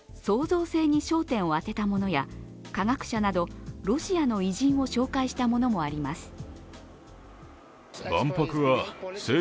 創造性に焦点を当てたものや科学者などロシアの偉人を紹介したものもあります。